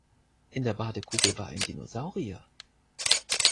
In der Badekugel war ein Dinosaurier.